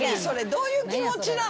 どういう気持ちなの？